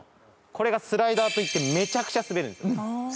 これがスライダーといってめちゃくちゃ滑るんですよ。